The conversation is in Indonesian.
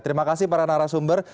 terima kasih para narasumber